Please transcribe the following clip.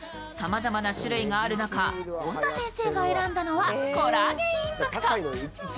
さまざまな種類がある中、本田先生が選んだのはコラーゲンインパクト。